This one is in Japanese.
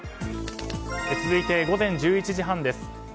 続いて午前１１時半です。